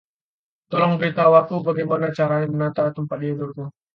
Tolong beritahu aku bagaimana caranya menata tempat tidurku.